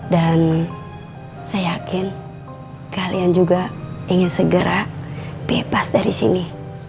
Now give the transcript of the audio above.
dan saya yakin kalian juga ingin segera bebas dari sini